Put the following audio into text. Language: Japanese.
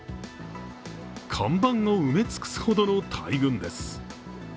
看板を埋め尽くすほどの大群です。